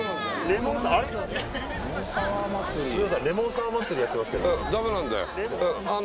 レモンサワー祭やってますけどああ！